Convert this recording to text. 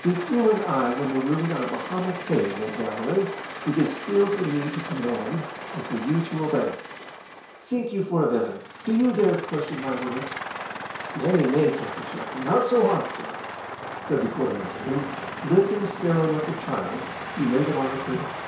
"If you and I were marooned on a Bahama cay, Ned Galloway, it is still for me to command and for you to obey. Sink you for a villain, do you dare to question my orders?" "Nay, nay, Captain Sharkey, not so hot, sir!" said the quartermaster, and, lifting Scarrow like a child, he laid him on the table.